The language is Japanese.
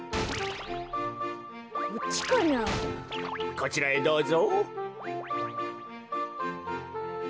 こちらへどうぞ。